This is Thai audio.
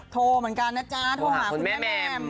โทรเหมือนกันนะจ๊ะโทรหาคุณแม่แม่ม